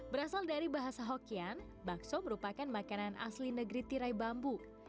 berasal dari bahasa hokian bakso merupakan makanan asli negeri tirai bambu